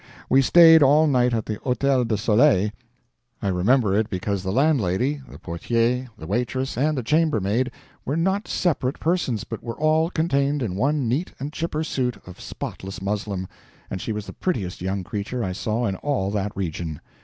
We stayed all night at the Hotel de Soleil; I remember it because the landlady, the portier, the waitress, and the chambermaid were not separate persons, but were all contained in one neat and chipper suit of spotless muslin, and she was the prettiest young creature I saw in all that region.